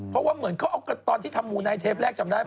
เพราะว่าเหมือนเขาเอาตอนที่ทำมูไนท์เทปแรกจำได้ไหม